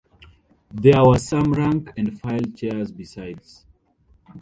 There were some rank-and-file chairs besides.